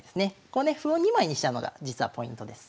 こうね歩を２枚にしたのが実はポイントです。